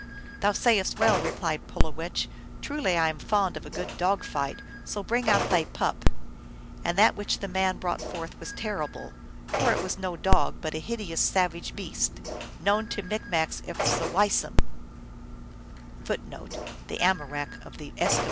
" Thou sayest well," replied Pulowech ;" truly I am fond of a good dog fight, so bring out thy pup !" And that which the man brought forth was terrible ; for it was no dog, but a hideous savage beast, known to Micmacs as the Weisum.